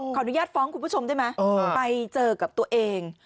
อนุญาตฟ้องคุณผู้ชมได้ไหมไปเจอกับตัวเอง